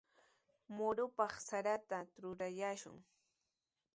Murupaq sarata trurashun.